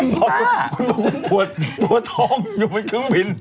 คุณบอกว่าคุณปวดท้องอยู่บนเครื่องบิน